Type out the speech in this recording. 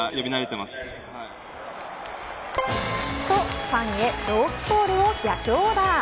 とファンへ朗希コールを逆オーダー。